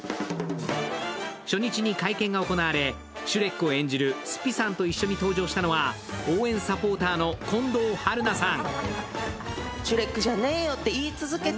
初日に会見が行われシュレックを演じるスピさんと一緒に登場したのは応援サポーターの近藤春菜さん。